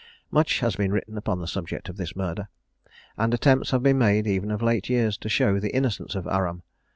Much has been written upon the subject of this murder, and attempts have been made, even of late years, to show the innocence of Aram.